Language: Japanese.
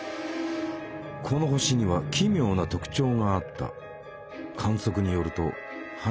この星には奇妙な特徴があった。